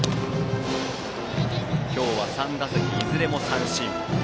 今日は３打席いずれも三振。